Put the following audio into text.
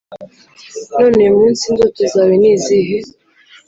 none uyu munsi indoto zawe ni izihe?